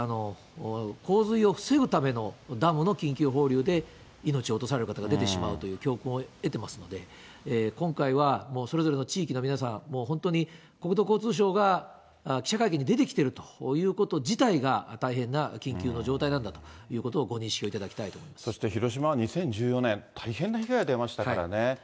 洪水を防ぐためのダムの緊急放流で命を落とされる方が出てしまうという教訓を得ていますので、今回はそれぞれの地域の皆さん、もう本当に国土交通省が記者会見に出てきているということ自体が、大変な緊急の状態なんだということをご認識いただきたいと思いまそして、広島は２０１４年、大変な被害が出ましたからね。